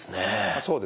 そうです。